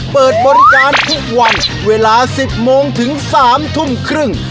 เปิดบริการทุกวันเวลา๑๐โมงถึง๓ทุ่มครึ่ง